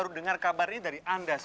oh cak bagus pintar